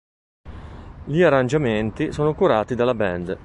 Gli arrangiamenti sono curati dalla band.